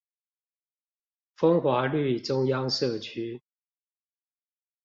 風華綠中央社區